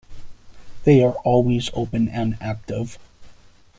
They are always open and active.